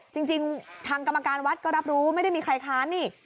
จริงทางกรรมการวัดก็รับรู้ไม่ได้มีใครค้านนี่